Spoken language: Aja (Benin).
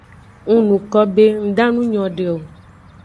Ng nuko be nda nu nyode o.